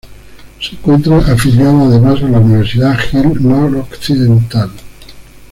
Se encuentra afiliada además a la Universidad Hill Noroccidental.